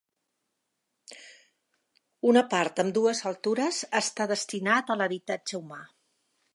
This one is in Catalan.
Una part, amb dues altures està destinat a l’habitatge humà.